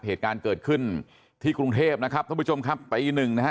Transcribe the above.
เหตุการณ์เกิดขึ้นที่กรุงเทพนะครับท่านผู้ชมครับตีหนึ่งนะฮะ